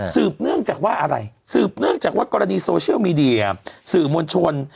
เนื่องจากว่าอะไรสืบเนื่องจากว่ากรณีโซเชียลมีเดียสื่อมวลชน